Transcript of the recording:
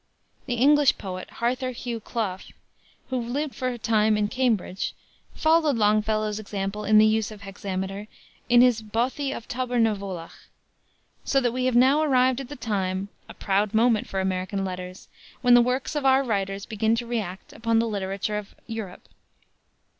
The English poet, Arthur Hugh Clough, who lived for a time in Cambridge, followed Longfellow's example in the use of hexameter in his Bothie of Tober na Vuolich, so that we have now arrived at the time a proud moment for American letters when the works of our writers began to react upon the literature of Europe.